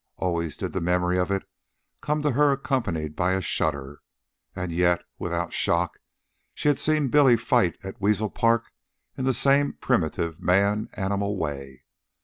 Always did the memory of it come to her accompanied by a shudder. And yet, without shock, she had seen Billy fight at Weasel Park in the same primitive man animal way.